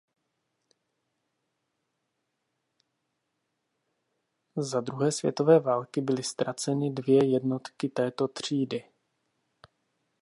Za druhé světové války byly ztraceny dvě jednotky této třídy.